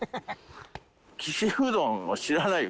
「岸うどんは知らないよ」